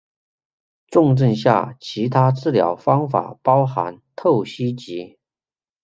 重症下其他治疗方法包含透析及。